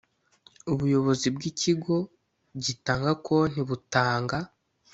Ubuyobozi bw ikigo gitanga konti butanga